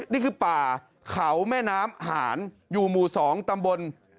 นี่คือป่าเขาแม่น้ำหานอยู่หมู่๒ตำบล